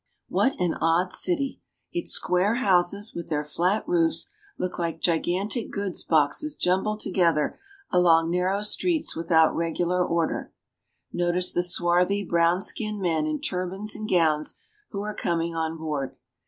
What an odd city ! Its square houses, with their flat roofs, look like gigantic goods boxes jumbled together along narrow streets without regular order. Notice the swarthy, brown skinned men in turbans and gowns who are coming on board.